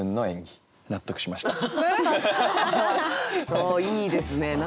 おおいいですね。